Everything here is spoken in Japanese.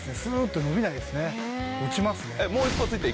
落ちますね。